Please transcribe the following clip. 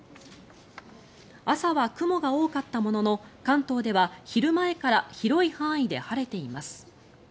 朝は雲が多かったものの関東では昼前から広い範囲で晴れています。